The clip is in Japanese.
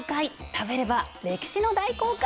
食べれば歴史の大航海！